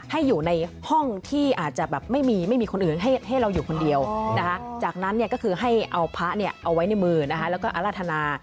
ให้อยู่ในห้องที่อาจจะแบบไม่มีไม่มีคนอื่นให้เราอยู่คนเดียวจากนั้นก็คือให้เอาพระเอาไว้ในมือแล้วก็อรรถนา